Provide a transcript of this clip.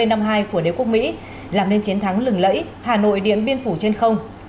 nếu quốc mỹ làm nên chiến thắng lừng lẫy hà nội điện biên phủ trên không